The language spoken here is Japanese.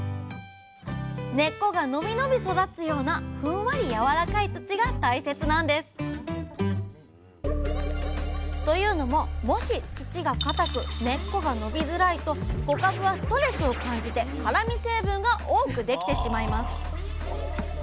根っこが伸び伸び育つようなふんわり軟らかい土が大切なんです！というのももし土が硬く根っこが伸びづらいと小かぶはストレスを感じて辛み成分が多くできてしまいます。